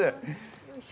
よいしょ。